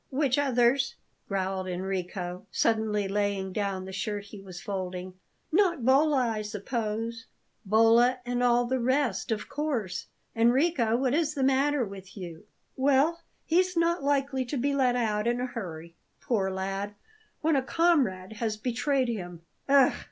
"Which others?" growled Enrico, suddenly laying down the shirt he was folding. "Not Bolla, I suppose?" "Bolla and all the rest, of course. Enrico, what is the matter with you?" "Well, he's not likely to be let out in a hurry, poor lad, when a comrade has betrayed him. Ugh!"